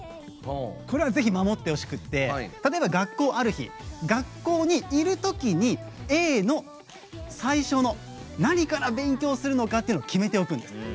これはぜひ守ってほしくて例えば学校ある日、学校にいるときにＡの最初の何から勉強するのかっていうのを決めておくんです。